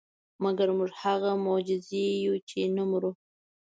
مګر موږ هغه معجزې یو چې نه مرو.